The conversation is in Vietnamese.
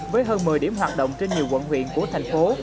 với hơn một mươi điểm hoạt động trên nhiều quận huyện của thành phố